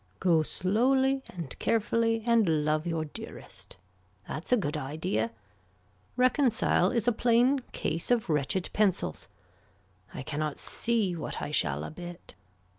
Go slowly and carefully and love your dearest. That's a good idea. Reconcile is a plain case of wretched pencils. I cannot see what I shall a bit.